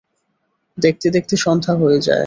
দেখতে-দেখতে সন্ধ্যা হয়ে যায় ।